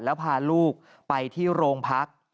แล้วพาลูกไปที่โรงพัก